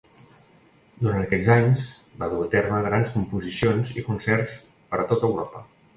Durant aquests anys va dur a terme grans composicions i concerts per tota Europa.